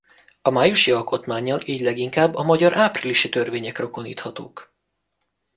A májusi alkotmánnyal így leginkább a magyar áprilisi törvények rokoníthatók.